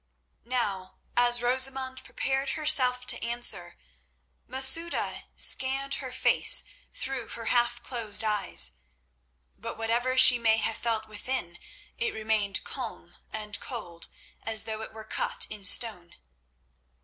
Now as Rosamund prepared herself to answer Masouda scanned her face through her half closed eyes. But whatever she may have felt within, it remained calm and cold as though it were cut in stone.